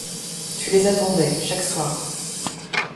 Tu les attendais chaque soir.